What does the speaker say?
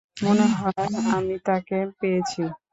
মনে হয় আমি তাকে পেয়েছি।